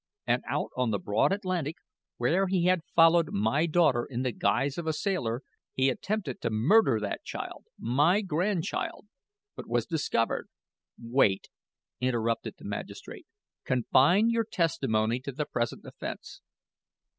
And out on the broad Atlantic, where he had followed my daughter in the guise of a sailor, he attempted to murder that child my grandchild; but was discovered " "Wait," interrupted the magistrate. "Confine your testimony to the present offense."